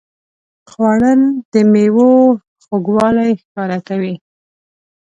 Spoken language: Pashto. خوړل د میوو خوږوالی ښکاره کوي